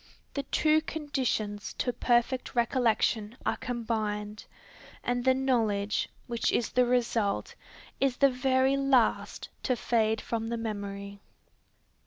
The two conditions to perfect recollection are combined, and the knowledge, which is the result, is the very last to fade from the memory.